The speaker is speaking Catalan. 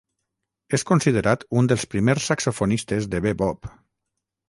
És considerat un dels primers saxofonistes de bebop.